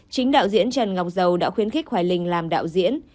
chính đạo diễn trần ngọc dầu đã khuyến khích hoài linh làm đạo diễn